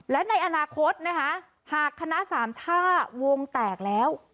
และในอนาคตนะคะหากคณะสามช่าวงแตกแล้ว